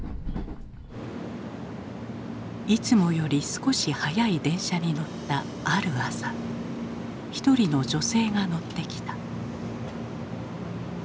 いつもより少し早い電車に乗ったある朝一人の女性が乗ってきた。